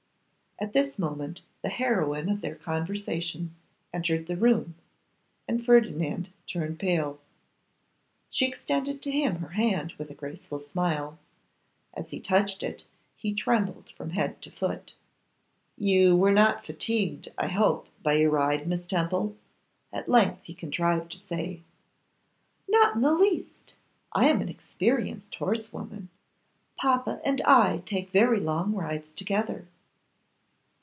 At this moment the heroine of their conversation entered the room, and Ferdinand turned pale. She extended to him her hand with a graceful smile; as he touched it, he trembled from head to foot. 'You were not fatigued, I hope, by your ride, Miss Temple?' at length he contrived to say. 'Not in the least! I am an experienced horsewoman. Papa and I take very long rides together.